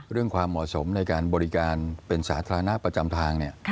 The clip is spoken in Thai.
ความเหมาะสมในการบริการเป็นสาธารณะประจำทาง